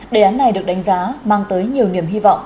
đề án này được đánh giá mang tới nhiều niềm hy vọng